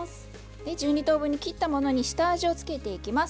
１２等分に切ったものに下味を付けていきます。